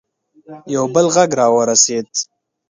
یو بل غږ راورسېد.